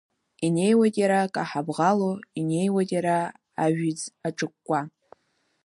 Инеиуеит иара каҳабӷало, инеиуеит иара ажәӡ аҿыкәкәа.